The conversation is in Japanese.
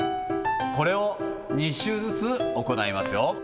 これを２周ずつ行いますよ。